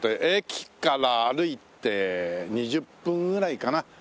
駅から歩いて２０分ぐらいかな。